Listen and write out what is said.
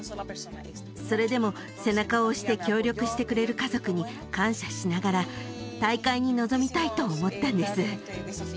それでも背中を押して協力してくれる家族に感謝しながら大会に臨みたいと思ったんです